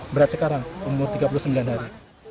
berat sekarang umur tiga puluh sembilan hari